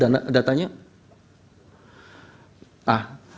saya ingin menjelaskan disini majelis